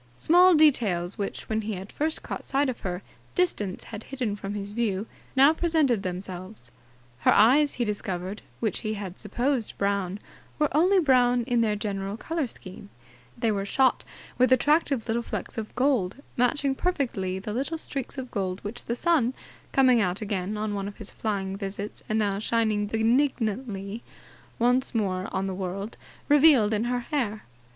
Small details which, when he had first caught sight of her, distance had hidden from his view, now presented themselves. Her eyes, he discovered, which he had supposed brown, were only brown in their general colour scheme. They were shot with attractive little flecks of gold, matching perfectly the little streaks of gold which the sun, coming out again on one of his flying visits and now shining benignantly once more on the world, revealed in her hair.